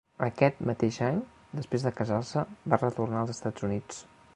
Aquest mateix any, després de casar-se, va retornar als Estats Units.